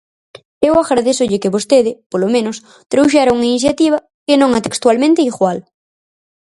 Eu agradézolle que vostede, polo menos, trouxera unha iniciativa que non é textualmente igual.